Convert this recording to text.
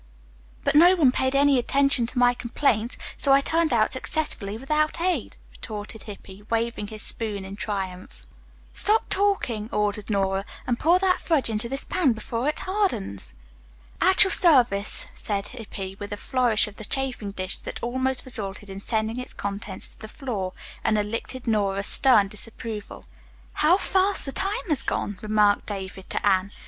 "But no one paid any attention to my complaints, so I turned out successfully without aid," retorted Hippy, waving his spoon in triumph. "Stop talking," ordered Nora, "and pour that fudge into this pan before it hardens." "At your service," said Hippy, with a flourish of the chafing dish that almost resulted in sending its contents to the floor, and elicited Nora's stern disapproval. "How fast the time has gone," remarked David to Anne.